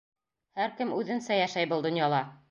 Һәр кем үҙенсә йәшәй был донъяла.